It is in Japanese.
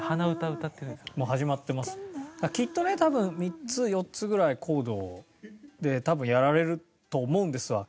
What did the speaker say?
きっとね多分３つ４つぐらいコードで多分やられると思うんですわ。